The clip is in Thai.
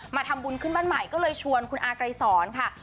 ทำบุญขึ้นบ้านใหม่ก็เลยชวนคุณอาไกรสอนค่ะ